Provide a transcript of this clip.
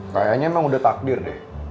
kayaknya emang udah takdir deh